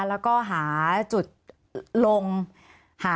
มีความรู้สึกว่าเสียใจ